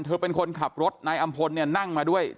เธอเป็นคนขับรถนายอำพลเนี่ยนั่งมาด้วย